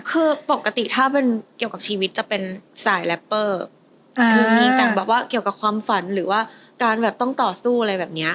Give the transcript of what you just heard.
คือปกติถ้าเป็นเกี่ยวกับชีวิตจะเป็นสายแรปเปอร์คือมีแต่งแบบว่าเกี่ยวกับความฝันหรือว่าการแบบต้องต่อสู้อะไรแบบเนี้ย